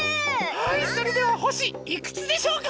はいそれではほしいくつでしょうか？